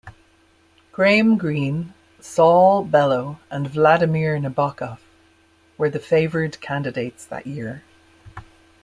Graham Greene, Saul Bellow and Vladimir Nabokov were the favoured candidates that year.